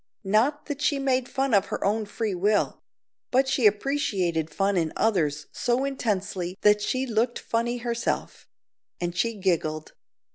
Not that she made fun of her own free will; but she appreciated fun in others so intensely that she looked funny herself; and she giggled.